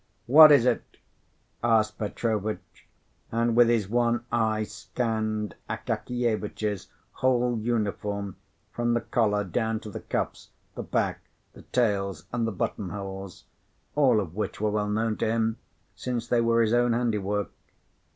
"What is it?" asked Petrovitch, and with his one eye scanned Akakievitch's whole uniform from the collar down to the cuffs, the back, the tails and the button holes, all of which were well known to him, since they were his own handiwork.